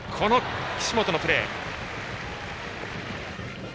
岸本のプレー。